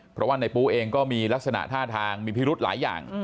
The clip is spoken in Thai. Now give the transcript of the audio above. เพราะว่าในปูเองก็มีลักษณะท่าทางมีพิรุธหลายอย่าง